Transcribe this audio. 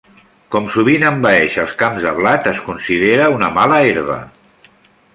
Com sovint envaeix els camps de blat, es considera una mala herba.